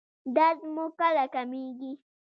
درد مو کله کمیږي؟